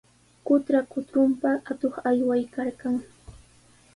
Qutra kutrunpa atuq aywaykarqan.